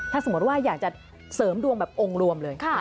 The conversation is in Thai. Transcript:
ถ้าสมมติว่าอยากจะเสริมดวงแบบองค์รวมเลย